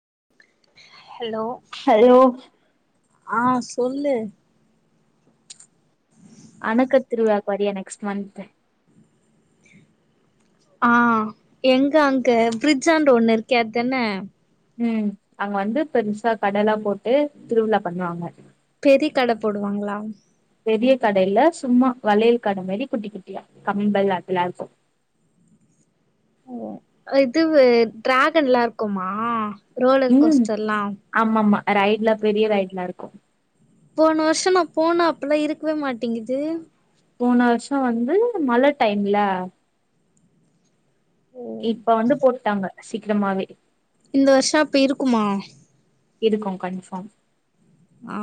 [unintelligible] Hello ஆ சொல்லு அணக்க திருவிழாக்கு வரியா நெக்ஸ்ட் மந்த்து ஆ எங்க அங்க பிரிட்ஜான்ட ஒண்ணு இருக்கே அதானே ம் அங்க வந்து பெருசா கடலா போட்டு திருவிழா பண்ணுவாங்க பெரி கட போடுவாங்களா பெரிய கடையில்ல சும்மா வளையல் கட மாரி குட்டி குட்டியா கம்மல் அதெல்லா இருக்கு [unintelligible] ஓ இதுவு டிராகன்லா இருக்குமா ரோலர் ம் கோஸ்டர்ல்லா ஆமா ஆமா ரைட்ல பெரிய ரைட்லா இருக்கு போன வருஷ நா போன அப்பலா இருக்கவே மாட்டிங்குது போன வருஷோ வந்து மழ டைம்ல இப்ப வந்து போட்டாங்க சீக்கிரமாவே இந்த வருஷ அப்ப இருக்குமா இருக்கு கன்ஃபார்ம் ஆ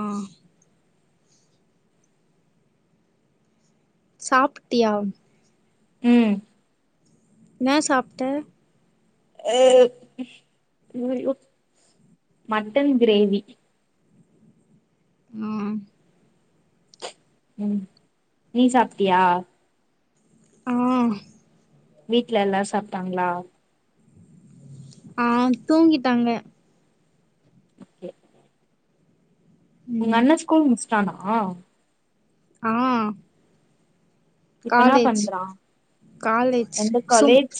சாப்ட்டியா ம் என்னா சாப்ட்ட ஐயையோ மட்டன் கிரேவி ம் ம் நீ சாப்டியா ஆ வீட்ல எல்லாரு சாப்டாங்களா ஆ தூங்கிட்டாங்க ஓகே உங்க ம் அண்ணே ஸ்கூல் முடிஸ்ட்டானா ஆ இப்ப என்னா காலேஜ் பண்றா காலேஜ் எந்த சும் காலேஜ்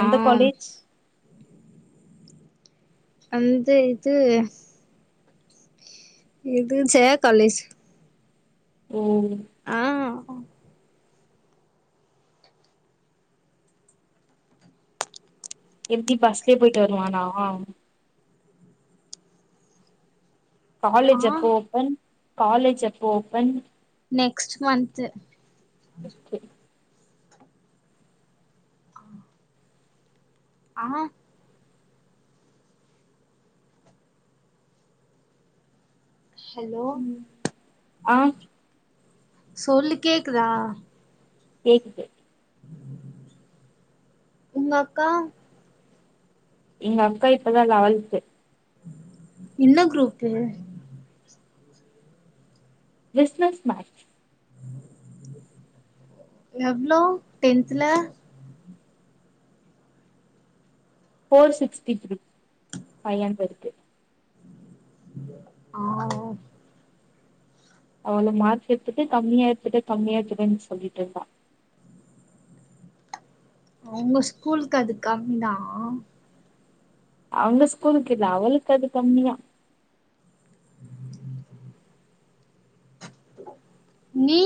எந்த காலேஜ் அந்த இது இது ஜெயா காலேஜ் ம் ஆ எப்டி பஸ்லயே போய்ட்டு வருவானா ஆ காலேஜ் எப்ப ஓப்பன் காலேஜ் எப்ப ஓப்பன் நெக்ஸ்ட் மன்த்து ஆ ஹலோ ம் ஆ சொல்லு கேக்குதா கேக்குது உங்க அக்கா எங்க அக்கா இப்பதா லெவல்த்து என்ன குரூப்பு பிஸ்னஸ் மேக்ஸ் எவ்ளோ டென்த்ல ஃபோர் சிக்ஸ்டி த்ரீ ஃபை ஹண்ட்ரட்க்கு ஆவோ அவ்ளே மார்க் எடுத்துட்டு கம்மியா எடுத்துட்டே கம்மியா எடுத்துட்டேனு சொல்லிட்டு இருக்கா அவுங்க ஸ்கூலுக்கு அது கம்மிதா அவங்க ஸ்கூலுக்கு இல்ல அவளுக்கு அது கம்மியா. நீ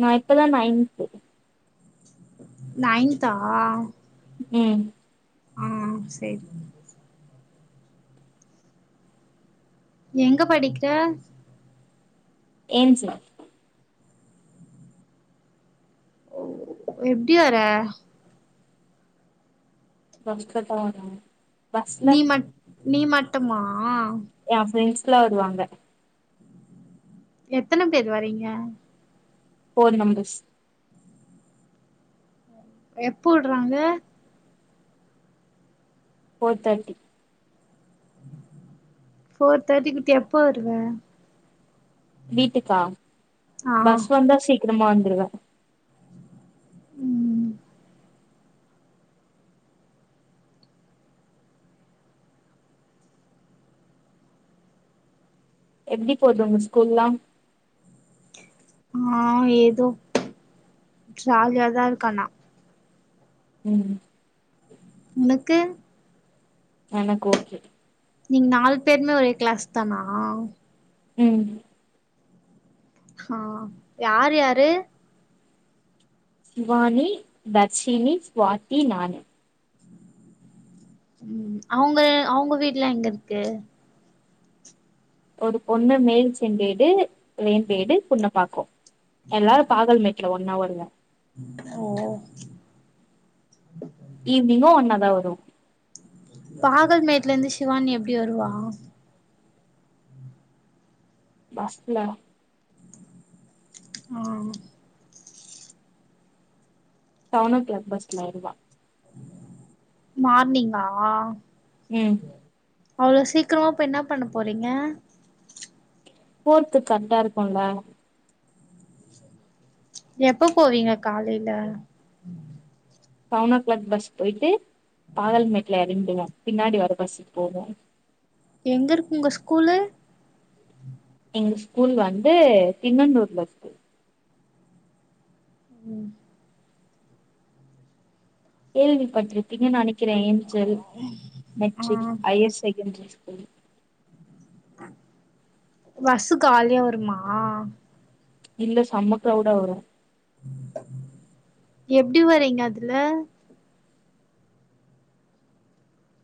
நா இப்பதா நைன்த்து நைன்த்தா ம் ஆ சேரி. எங்க படிக்கிற ஏஞ்சல் ஒ எப்டி வர பஸ்ல தா வராங்க பஸ்ல நீ மட் நீ மட்டுமா என் ஃப்ரெண்ட்ஸ்லா வருவாங்க. எத்தன பேர் வரீங்க. ஃபோர் நம்பர்ஸ் எப்ப உட்றாங்க ஃபோர் தேர்ட்டி ஃபோர் தேர்ட்டி உட்டு எப்ப வருவே வீட்டுக்கா ஆ பஸ் வந்தா சீக்கிரமா வந்துருவே ம் எப்டி போது உங்க ஸ்கூல்லாம் ஆ ஏதோ ஜாலியா தா இருக்கு ஆனா ம் உனக்கு எனக்கு ஓகே நீங்க நாலு பேருமே ஒரே கிளாஸ் தானா ம் ஆ யார் யாரு ஷிவானி, தர்ஷினி, சுவாதி நானு ம் அவுங்க அவுங்க வீட்லா எங்க இருக்கு ஒரு பொண்ணு மேல் செம்பேடு வேம்பேடு புன்னப்பாக்கோ எல்லாரு பாகல்மேட்ல ஒன்ன வருவே. ஓ ஈவ்னிங்கு ஒன்னாதா வருவோ. பாகல்மேட்லருந்து சிவானி எப்டி வருவா பஸ்ல அ செவன் ஓ க்ளாக் பஸ்ல வருவா மார்னிங்கா ம் அவ்ளோ சீக்கிரமா போய் என்ன பண்ண போறீங்க போற்துக்கு கரெக்டா இருக்கும்ல எப்ப போவீங்க காலையில செவன் ஓ கிளாக் பஸ் போயிட்டு பாகல்மேட்ல எறங்கிடுவே பின்னாடி வர பசுக்கு போவே எங்க இருக்கு உங்க ஸ்கூலு எங்க ஸ்கூல் வந்து திண்ணனூர்ல இருக்கு. ம் கேள்வி பட்டிருப்பிங்கன் நெனைக்கிறே ஏஞ்சல் ஆ மெட்ரிக் ஹையர் செகண்டரி ம் பஸ்சு காலியா வருமா இல்ல சம்மக் க்ரவுட ஆவுர எப்டி வரீங்க அதுல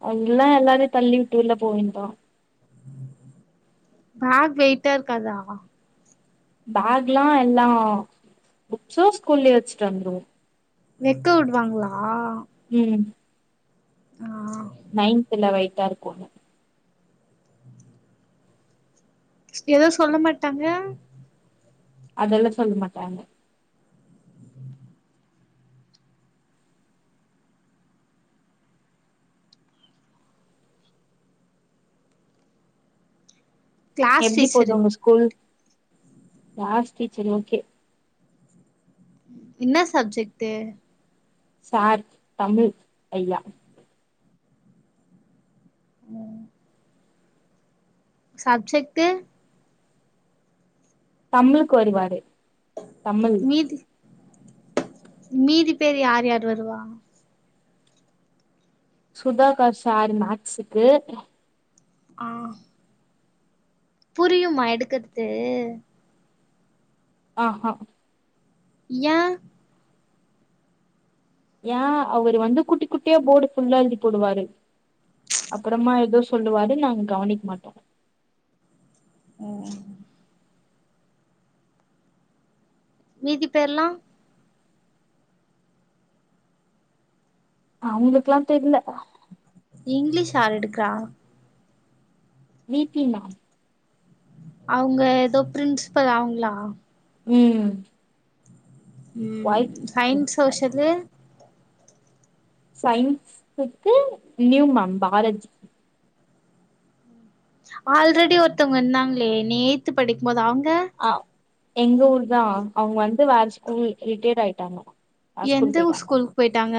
அது இல்ல எல்லாரையு தள்ளி விட்டு வெல்ல போவேண்டிதா பேக் வெய்ட்டார்க்காதா பேக்ல்லா எல்லா புக்ஸு ஸ்கூல்லயே வச்சுட்டு வந்துருவோ வெக்க விடுவாங்ளா ம் ஆ நைன்த்ல வெயிட்டா இருக்கூ எதோ சொல்ல மாட்டாங்க அதெல்லா சொல்ல மாட்டாங்க கிளாஸ் எப்டி போது டீச்சரு உங்க ஸ்கூல் க்ளாஸ் டீச்சர் ஓகே இன்னா சப்ஜெக்டு சார் தமிழ் ஐயா ம் சப்ஜெக்ட்டு தம்ப்ழுக்கு வருவாரு தமிழ் மீட்டு மீதி பேரு யார் யார் வருவா சுதாகார் சார் மேக்ஸுக்கு ஆ புரியுமா எடுக்கறது ஆஹா யா ஏன் அவரு வந்து குட்டி குட்டியா போர்டு ஃபுல்லா எழுதி போடுவாரு அப்பறமா ஏதோ சொல்லுவாரு நாங்க கவனிக் மாட்டோ ம் மீதி பேர்லா அவங்கலுக்லா தெர்ல இங்லிஷ் ஆர் எடுக்றா வி பி மேம் அவுங்க எதோ பிரின்சிபல் அவ்ங்ளா ம் ம் ஒயிட் சைன்ஸ் சோஷலு சையின்ஸ்க்கு நியூ மேம் பாரஜ் ஆல்ரெடி ஒருத்தவ்ங்க இருந்தாங்களே நீ எய்த் படிக்கும்போது அவ்ங்க ஆ எங்க ஊர் தா அவுங்க வந்து வேற ஸ்கூல் ரிட்டையர் ஆயிட்டாங்க வேற ஸ்கூல் எந்த ஊர் போயிட்டாங்க ஸ்கூலுக்கு போயிட்டாங்க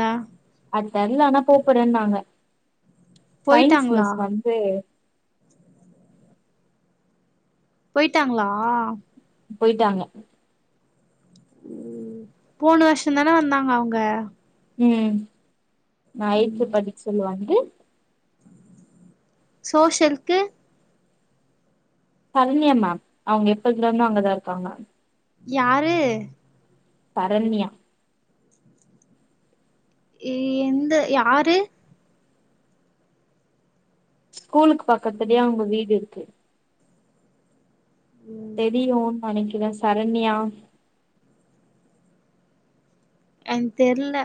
அது தெர்ல ஆனா போப்போறேன்னாங்க சயின்ஸ் போயிட்டாங்களா மிஸ் வந்து போயிட்டாங்ளா போயிட்டாங்க போனு வருஷ தான வந்தாங்க அவ்ங்க ம் நா எய்து படிக்சொல்லு வந்து சோஷியல்கு தரண்யா மேம் அவுங்க எப்பதுல இருந்து அங்கதா இருக்காங்க யாரு தரண்யா இ எந்த யாரு ஸ்கூலுக்கு பக்கத்லயே அவுங்க வீடு இருக்கு தெரியூன் நெனக்கிற சரண்யா என் தெர்ல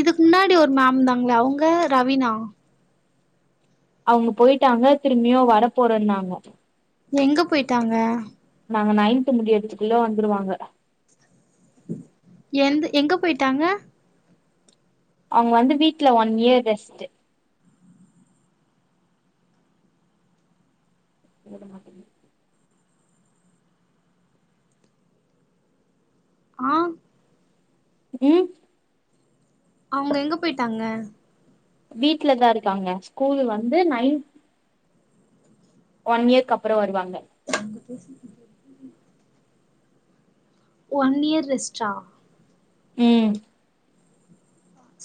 இதுக்கு முன்னாடி ஒரு மேம் இருந்தாங்களே அவுங்க ரவீனா அவுங்க போயிட்டாங்க திரும்பியு வர போறேன்னாங்க எங்க போயிட்டாங்க நாங்க நைன்த் முடியத்துக்குள்ள வந்துருவாங்க எந்து எங்க போயிட்டாங்க அவுங்க வந்து வீட்ல ஒன் இயர் ரெஸ்ட்டு எழுதமாட்டேங்க ஆ ம் அவுங்க எங்க போய்ட்டாங்க வீட்ல தா இருக்காங்க ஸ்கூல் வந்து நைன் ஒன்யியர்க்கு அப்புற வருவாங்க பேசு ஒன்யியர் ரெஸ்ட்டா ம்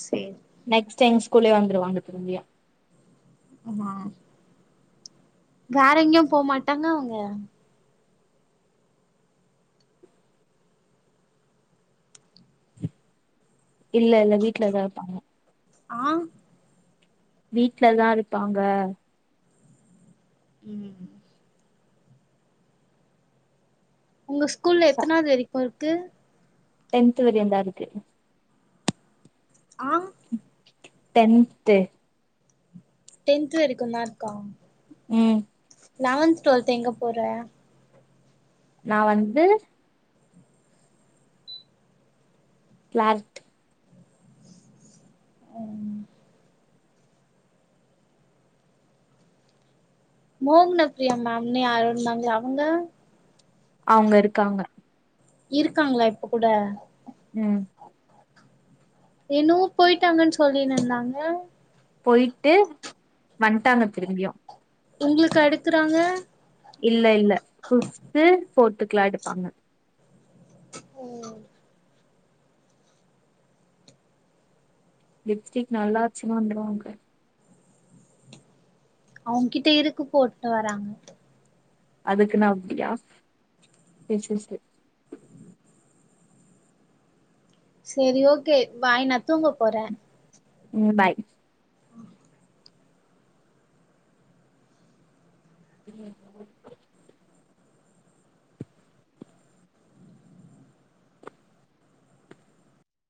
செர் நெக்ஸ்ட் டைம் ஸ்கூலே வந்துருவாங்க திரும்பியு ஆமா வேற எங்கயு போமாட்டாங்க அவுங்க இல்ல இல்ல வீட்லதா இருப்பாங்க ஆ வீட்லதா இருப்பாங்க [inaudible] உங்க ஸ்கூல்ல ச எத்தனாவது வரிக்கு இருக்கு டென்த் வரியுந்தா இருக்கு ஆ டென்த்து டென்த்து வரிக்குன்தா இருக்கா ம் லவன்த் டுவல்த் எங்க போற நா வந்து ப்ளார்ட் [inaudible] மோக்ன பிரியா மேம்னு யாரோ இருந்தாங்களே அவுங்க அவுங்க இருக்காங்க இருக்காங்களா இப்ப கூட ம் என்னுவு போயிட்டாங்கன்னு சொல்லினு இருந்தாங்க போயிட்டு வன்ட்டாங்க திரும்பியு உங்குளுக்கு அடுக்குறாங்க இல்ல இல்ல பிஃப்து ஃபோர்த்துக்குலா எடுப்பாங்க ம் லிப்ஸ்டிக் நல்லாச்சுனா வந்துருவாங்க அவுங்க கிட்ட இருக்கு போட்டு வராங்க அதுக்குன்னா அப்டியா [unintelligible] சேர் சேர் சேர் செரி ஓகே பாய் நா தூங்க போறே ம் பாய் [inaudible]